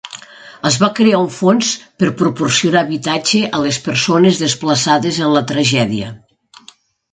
Es va crear un fons per proporcionar habitatge a les persones desplaçades en la tragèdia.